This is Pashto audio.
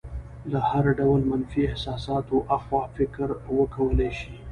له هر ډول منفي احساساتو اخوا فکر وکولی شي.